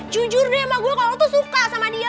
jujur deh sama gue kalau tuh suka sama dia